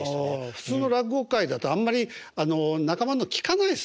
普通の落語会だとあんまり仲間の聴かないですもんね。